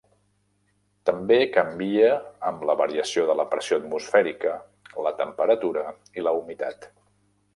També canvia amb la variació de la pressió atmosfèrica, la temperatura i la humitat.